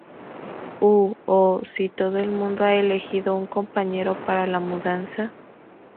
¿ Uh, oh, sí todo el mundo ha elegido un compañero para la mudanza?